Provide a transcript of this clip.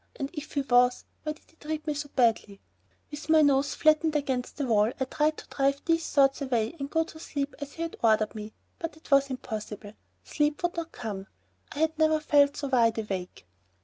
And if he was, why did he treat me so badly? With my nose flattened against the wall I tried to drive these thoughts away and go to sleep as he had ordered me, but it was impossible. Sleep would not come. I had never felt so wide awake.